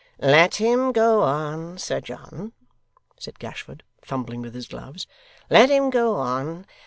'Let him go on, Sir John,' said Gashford, fumbling with his gloves. 'Let him go on.